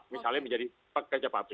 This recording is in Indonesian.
misalnya menjadi pekerja pabrik